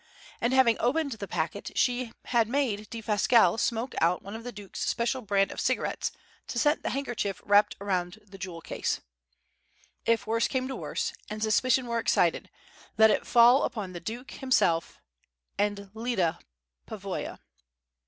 And having opened the packet she had made Defasquelle smoke one of the Duke's special brand of cigarettes to scent the handkerchief wrapped round the jewel case. If worst came to worst, and suspicion were excited, let it fall upon the Duke himself, and Lyda Pavoya.